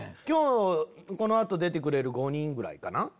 今日この後出てくれる５人ぐらいかな。